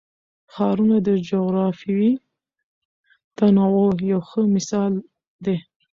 ښارونه د جغرافیوي تنوع یو ښه مثال دی.